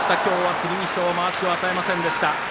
剣翔、今日はまわしを与えませんでした。